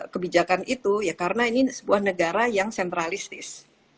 kebijakan itu ya karena ini sebuah negara yang sentralistis